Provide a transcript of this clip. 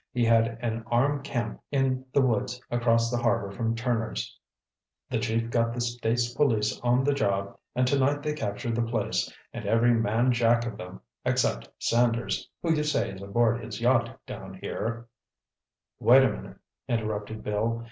He had an armed camp in the woods across the harbor from Turner's. The chief got the State's police on the job and tonight they captured the place and every man jack of them except Sanders, who you say is aboard his yacht down here—" "Wait a minute," interrupted Bill.